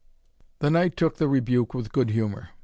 The knight took the rebuke with good humour.